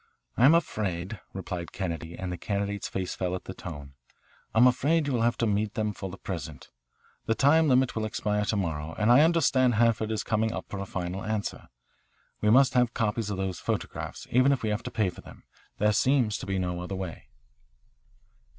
"I'm afraid," replied Kennedy, and the candidate's face fell at the tone, "I'm afraid you will have to meet them, for the present. The time limit will expire to morrow, and I understand Hanford is coming up for a final answer. We must have copies of those photographs, even if we have to pay for them. There seems to be no other way."